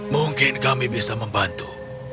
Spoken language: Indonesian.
mungkin kami bisa membantu